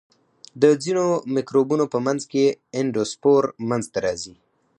د ځینو مکروبونو په منځ کې اندوسپور منځته راځي.